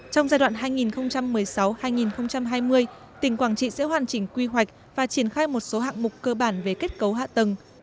trong giai đoạn hai nghìn một mươi sáu hai nghìn hai mươi tỉnh quảng trị sẽ hoàn chỉnh quy hoạch và triển khai một số hạng mục cơ bản về kết cấu hạ tầng